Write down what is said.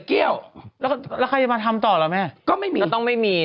เกลี้ยวแล้วแล้วใครจะมาทำต่อแล้วแม่ก็ไม่มีแล้วต้องไม่มี